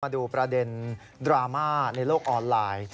มาดูประเด็นดราม่าในโลกออนไลน์